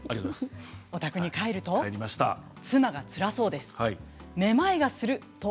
お宅に帰ると妻がつらそうです。